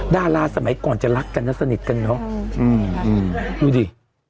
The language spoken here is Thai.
ดาราสมัยก่อนจะรักกันนะสนิทกันเนอะดูดิ